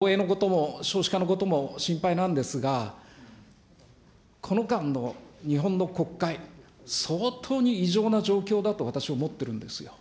それは、防衛のことも少子化のことも心配なんですが、この間の日本の国会、相当に異常な状況だと、私、思ってるんですよ。